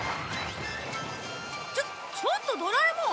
ちょちょっとドラえもん！